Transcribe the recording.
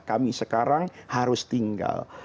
kami sekarang harus tinggal